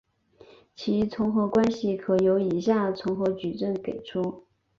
其重合关系可由以下重合矩阵给出。